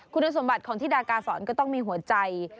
คุณสมบัติของธิดากาศรก็ต้องมีหัวใจ